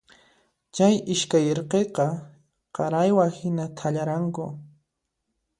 Chay iskay irqiqa qaraywa hina thallaranku.